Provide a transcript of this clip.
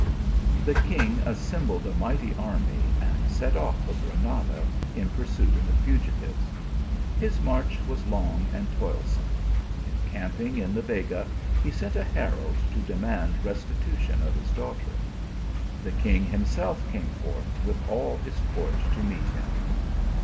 The king assembled a mighty army, and set off for Granada in pursuit of the fugitives. His march was long and toilsome. Encamping in the Vega, he sent a herald to demand restitution of his daughter. The king himself came forth with all his court to meet him.